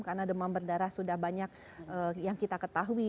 karena demam berdarah sudah banyak yang kita ketahui